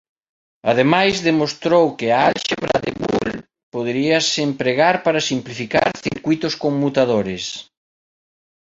Ademais demostrou que a álxebra de Boole podíase empregar para simplificar circuítos conmutadores.